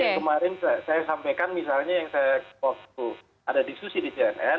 yang kemarin saya sampaikan misalnya yang saya waktu ada diskusi di cnn